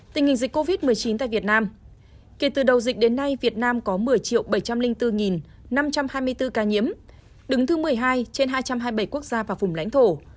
tình hình dịch covid một mươi chín tại việt nam kể từ đầu dịch đến nay việt nam có một mươi bảy trăm linh bốn năm trăm hai mươi bốn ca nhiễm đứng thứ một mươi hai trên hai trăm hai mươi bảy quốc gia và vùng lãnh thổ